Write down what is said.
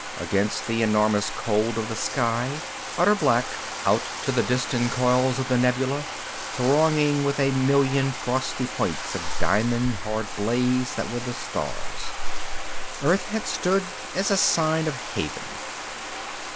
Against the enormous cold of the sky utter black out to the distant coils of the nebulae, thronging with a million frosty points of diamond hard blaze that were the stars Earth had stood as a sign of haven.